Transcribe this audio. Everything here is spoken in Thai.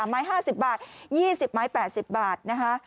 ไม้๕๐บาท๒๐ไม้๘๐บาทนะคะ